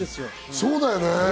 そうだよね。